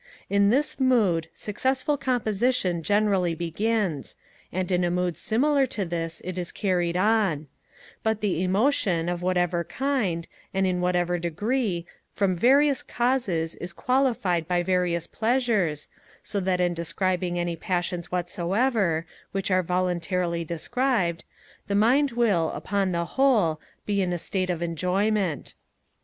In this mood successful composition generally begins, and in a mood similar to this it is carried on; but the emotion, of whatever kind, and in whatever degree, from various causes, is qualified by various pleasures, so that in describing any passions whatsoever, which are voluntarily described, the mind will, upon the whole, be in a state of enjoyment.